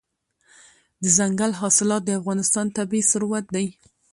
دځنګل حاصلات د افغانستان طبعي ثروت دی.